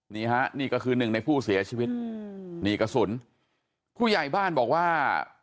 นี่ฮะนี่ก็คือหนึ่งในผู้เสียชีวิตนี่กระสุนผู้ใหญ่บ้านบอกว่า